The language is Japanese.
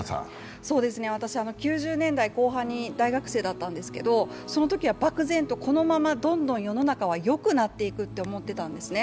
私、９０年代後半に大学生だったんですけどそのときは漠然と、このまま世の中はよくなっていくと思ってたんですね。